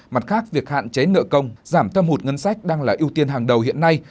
mặt khác việc hạn chế nợ công giảm thâm hụt ngân sách đang là ưu tiên hàng đầu hiện nay